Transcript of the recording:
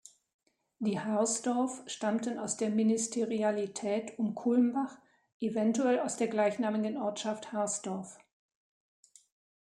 Die Harsdorf stammten aus der Ministerialität um Kulmbach, eventuell aus der gleichnamigen Ortschaft Harsdorf.